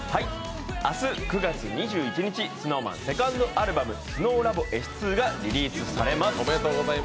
明日９月２１日、ＳｎｏｗＭａｎセカンドアルバム「ＳｎｏｗＬａｂｏ．Ｓ２」がリリースされます。